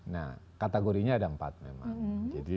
nah kategorinya ada empat memang